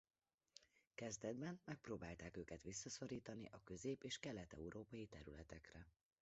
Kezdetben megpróbálták őket visszaszorítani a közép- és kelet-európai területekre.